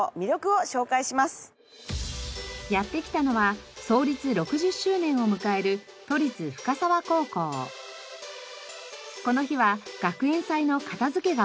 やって来たのは創立６０周年を迎えるこの日は学園祭の片付けが行われていました。